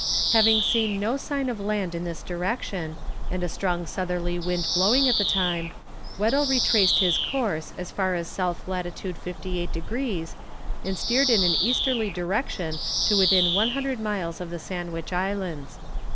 Having seen no sign of land in this direction, and a strong southerly wind blowing at the time, Weddell retraced his course as far as S. lat. 58 degrees, and steered in an easterly direction to within 100 miles of the Sandwich Islands.